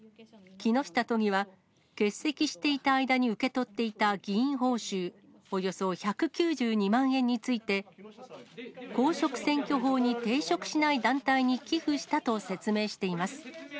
木下都議は、欠席していた間に受け取っていた議員報酬およそ１９２万円について、公職選挙法に抵触しない団体に寄付したと説明しています。